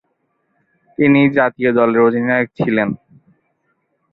তিনি জাতীয় দলের অধিনায়ক ছিলেন।